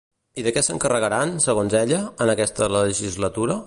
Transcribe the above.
I de què s'encarregaran, segons ella, en aquesta legislatura?